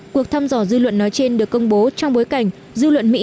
cuộc thăm dò dư luận nói trên được công bố trong bối cảnh dư luận mỹ